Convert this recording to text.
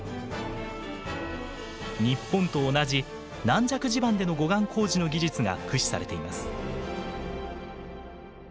日本と同じ軟弱地盤での護岸工事の技術が駆使されています。